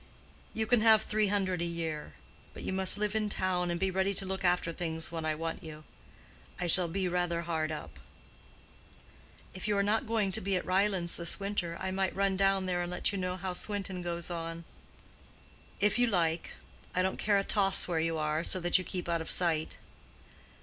"You can have three hundred a year. But you must live in town and be ready to look after things when I want you. I shall be rather hard up." "If you are not going to be at Ryelands this winter, I might run down there and let you know how Swinton goes on." "If you like. I don't care a toss where you are, so that you keep out of sight."